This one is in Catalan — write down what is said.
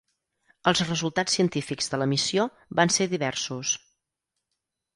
Els resultats científics de la missió van ser diversos.